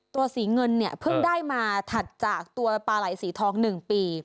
ตัวสีเงินเนี่ยเพิ่งได้มาถัดจากตัวปลาไหล่สีทอง๑ปี